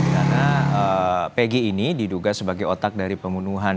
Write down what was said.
karena pegi ini diduga sebagai otak dari pembunuhan